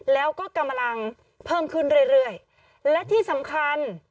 แล้วก็กำลังเพิ่มขึ้นเรื่อยเรื่อยและที่สำคัญ